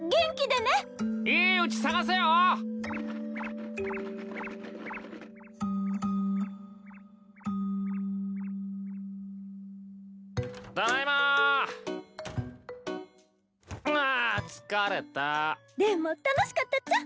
でも楽しかったっちゃ。